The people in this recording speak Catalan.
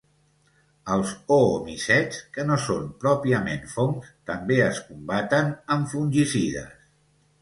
Els oomicets, que no són pròpiament fongs, també es combaten amb fungicides.